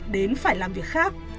đến phải làm việc khác